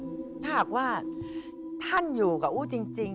ถ้าหากว่าท่านอยู่กับอู้จริง